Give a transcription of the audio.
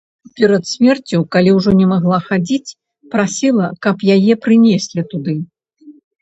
Перад смерцю, калі ўжо не магла хадзіць, прасіла, каб яе прынеслі туды.